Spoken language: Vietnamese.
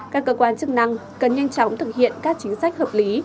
các cơ quan chức năng cần nhanh chóng thực hiện các chính sách hợp lý